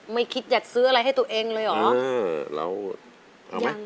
ไม่คิดจะซื้ออะไรให้ตัวเองเลยเหรอ